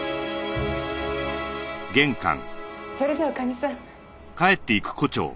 それじゃあ女将さん。